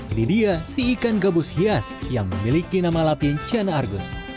ini dia si ikan gabus hias yang memiliki nama latin ciana argus